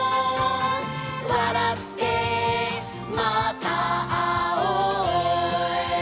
「わらってまたあおう」